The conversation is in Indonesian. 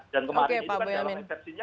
dan kemarin itu kan dalam resepsinya